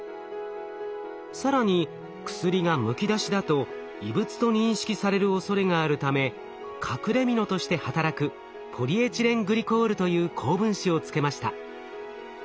更に薬がむき出しだと異物と認識されるおそれがあるため隠れみのとして働くポリエチレングリコールという高分子をつけました。